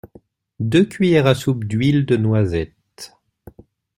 deux cuilières à soupe d’huile de noisette